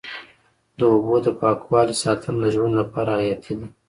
د اوبو د پاکوالي ساتنه د ژوند لپاره حیاتي ده.